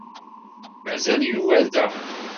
Mazal Yuba da.